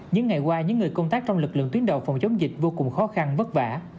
những ngày qua những người công tác trong lực lượng tuyến đầu phòng chống dịch vô cùng khó khăn vất vả